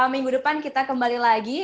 minggu depan kita kembali lagi